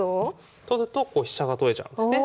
取ると飛車が取れちゃうんですね。